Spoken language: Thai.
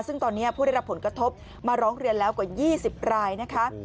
ซึ่งตอนนี้ผู้ได้รับผลกระทบมาร้องเรียนแล้วกว่า๒๐รายนะคะ